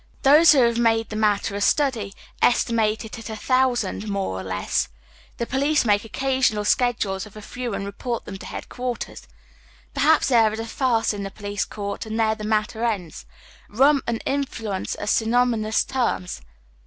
Those who have made the matter a study estimate it at a thousand, more or less. The police make occasional schedules of a few and report them to headquarters. Perhaps there is a farce in the police court, and there the matter ends, Hum and " in fluence "are synonymous terms.